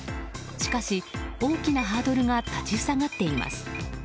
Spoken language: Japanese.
しかし、大きなハードルが立ち塞がっています。